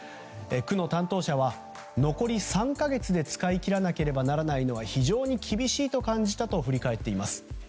区の担当者は、残り３か月で使い切らなければならないのは非常に厳しいと感じたと振り返っています。